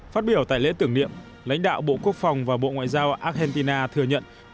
phát biểu tại lễ tưởng niệm lãnh đạo bộ quốc phòng và bộ ngoại giao argentina thừa nhận